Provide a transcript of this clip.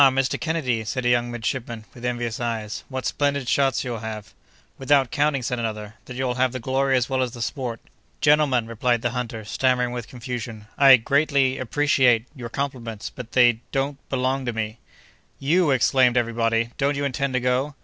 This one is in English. Mr. Kennedy," said a young midshipman, with envious eyes, "what splendid shots you'll have!" "Without counting," said another, "that you'll have the glory as well as the sport!" "Gentlemen," replied the hunter, stammering with confusion, "I greatly—appreciate—your compliments—but they—don't—belong to me." "You!" exclaimed every body, "don't you intend to go?"